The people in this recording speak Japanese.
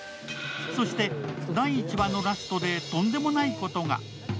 そして第１話のラストでとんでもないことが。